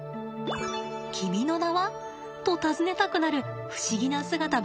君の名は？と尋ねたくなる不思議な姿ばかり。